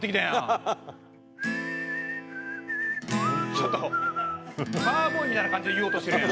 ちょっとカウボーイみたいな感じで言おうとしてるやん。